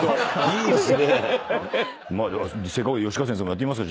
いいですね。